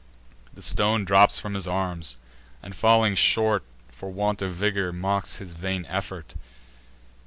The stone drops from his arms, and, falling short For want of vigour, mocks his vain effort.